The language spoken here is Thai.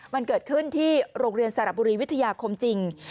มันเกิดขึ้นที่โรงเรียนสระบุรีวิทยาคมจริง